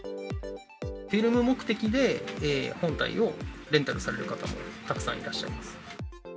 フィルム目的で本体をレンタルされる方もたくさんいらっしゃいます。